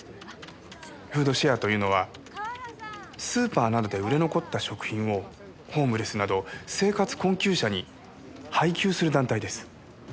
フードシェアというのはスーパーなどで売れ残った食品をホームレスなど生活困窮者に配給する団体です。